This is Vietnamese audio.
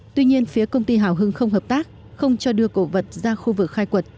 tuy nhiên phía công ty hào hưng không hợp tác không cho đưa cổ vật ra khu vực khai quật